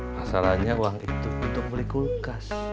masalahnya uang itu untuk beli kulkas